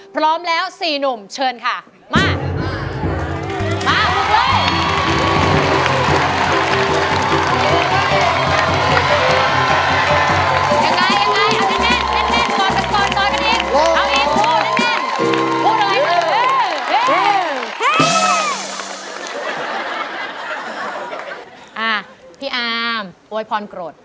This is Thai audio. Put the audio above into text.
พี่อาร์มโว้ยพรโกรธ